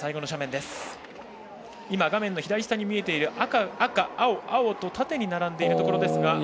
画面の左下に見えている赤、赤、青、青と縦に並んでいるところですが。